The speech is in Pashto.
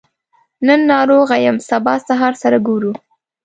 نن ناروغه يم سبا سهار سره ګورو